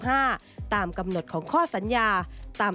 เป็นอย่างไรนั้นติดตามจากรายงานของคุณอัญชาฬีฟรีมั่วครับ